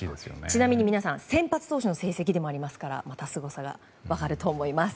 ちなみに先発投手の成績でもありますからまたすごさが分かると思います。